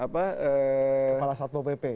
kepala satmo pp